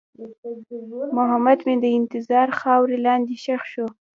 محبت مې د انتظار تر خاورې لاندې ښخ شو.